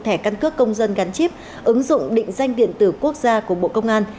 thẻ căn cước công dân gắn chip ứng dụng định danh điện tử quốc gia của bộ công an